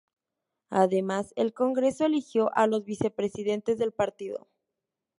Además el congreso eligió a los vicepresidentes del partido.